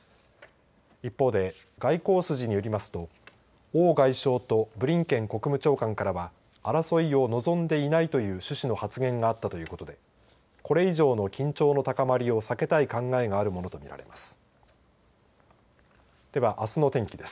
一方で外交筋によりますと王外相とブリンケン国務長官からは争いを望んでいないという趣旨の発言があったということでこれ以上の緊張の高まりを避けたい考えがあるものと見られます。